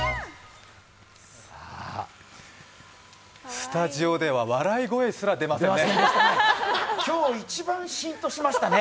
スタジオでは笑い声すら出ませんね。